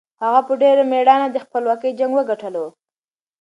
هغه په ډېر مېړانه د خپلواکۍ جنګ وګټلو.